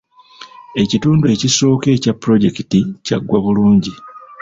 Ekitundu ekisooka ekya pulojekiti kyaggwa bulungi